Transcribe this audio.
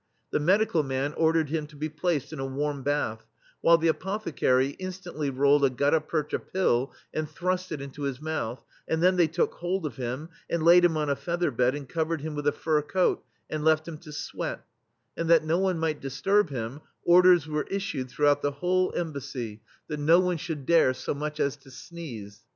The medical man ordered him to be placed in a warm bath, while the apothecary instantly rolled a gutta percha pill, and thrust it into his mouth, and then they took hold of him, and laid him on a feather bed and covered him with a fur coat, and left him to sweat; and that no one might disturb him, orders were issued throughout the whole Embassy that no one should dare [ 86 ] THE STEEL FLEA SO much as to sneeze.